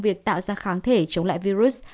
việc tạo ra kháng thể chống lại virus